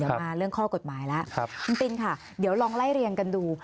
เดี๋ยวมาเรื่องข้อกฎหมายแล้วคุณตินค่ะเดี๋ยวลองไล่เรียงกันดู